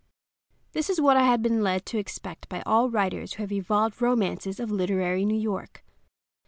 This was what I had been led to expect by all writers who have evolved romances of literary New York.